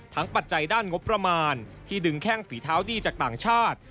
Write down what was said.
ปัจจัยด้านงบประมาณที่ดึงแข้งฝีเท้าดีจากต่างชาติ